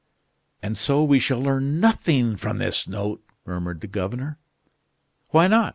"And so we shall learn nothing from this note," murmured the governor. "Why not?"